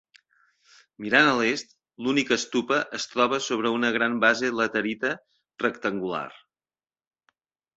Mirant a l'est, l'única estupa es troba sobre una gran base laterita rectangular.